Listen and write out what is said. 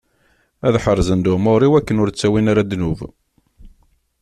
Ad ḥerzen lumuṛ-iw, akken ur ttawin ara ddnub.